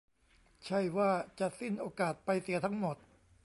ใช่ว่าจะสิ้นโอกาสไปเสียทั้งหมด